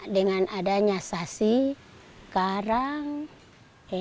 dengan adanya sasi karang